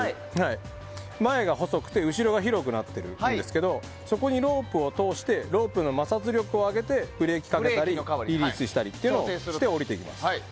前が細くて後ろが広くなっているんですがそこにロープを通してロープの摩擦力を上げてブレーキをかけたりリリースしたりして下りていきます。